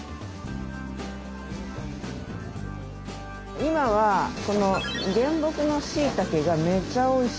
今はこの原木のしいたけがめちゃおいしい。